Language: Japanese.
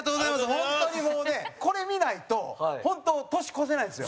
本当に、もうね、これ見ないと本当、年越せないんですよ。